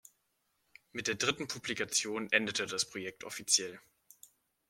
Mit der dritten Publikation endete das Projekt offiziell.